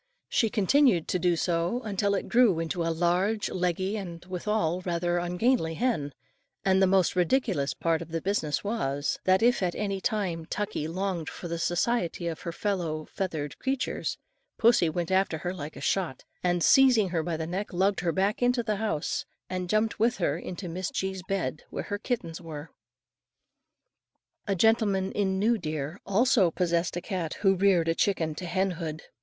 She continued to do so until it grew into a large, leggy, and withal rather ungainly hen; and the most ridiculous part of the business was, that if at any time Tuckie longed for the society of her feathered fellow creatures, pussy went after her like a shot, and seizing her by the neck lugged her back into the house, and jumped with her into Miss G.'s bed where her kittens were. A gentleman in New Deer, also possessed a cat who reared a chicken to hen hood.